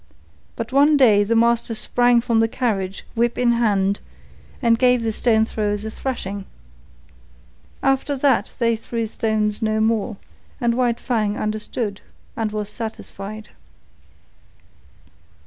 But one day the master sprang from the carriage, whip in hand, and gave the stone throwers a thrashing. After that they threw stones no more, and White Fang understood and was satisfied.